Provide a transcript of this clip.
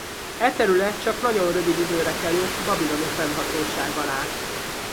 E terület csak nagyon rövid időre került babiloni fennhatóság alá.